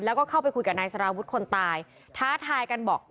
แล้วก็เข้าไปคุยกับนายสารวุฒิคนตายท้าทายกันบอก